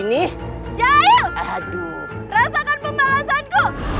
dia akan humbled